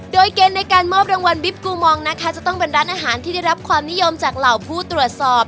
โดยเกณฑ์ในการมอบรางวัลวิปกูมองนะคะจะต้องเป็นร้านอาหารที่ได้รับความนิยมจากเหล่าผู้ตรวจสอบ